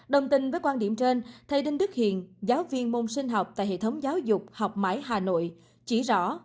đồng tình với quan điểm trên thầy đinh đức hiền giáo viên môn sinh học tại hệ thống giáo dục học mãi hà nội chỉ rõ